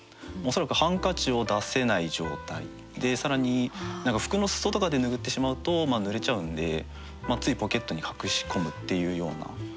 恐らくハンカチを出せない状態で更に何か服の裾とかで拭ってしまうとぬれちゃうんでついポケットに隠し込むっていうような。